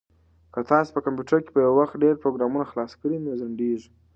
که تاسي په کمپیوټر کې په یو وخت ډېر پروګرامونه خلاص کړئ نو ځنډیږي.